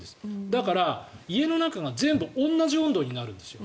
だから、家の中が全部同じ温度になるんですよ。